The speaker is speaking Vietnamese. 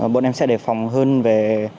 bọn em sẽ đề phòng hơn về